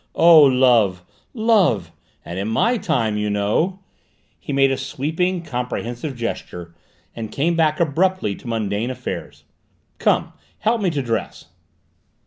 Oh, Love, Love! And in my time, you know " He made a sweeping, comprehensive gesture, and came back abruptly to mundane affairs. "Come, help me to dress."